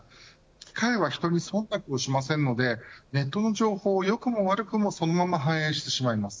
機械は人に忖度をしませんのでネットの情報を良くも悪くもそのまま反映してしまいます。